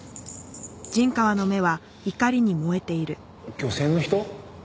漁船の人？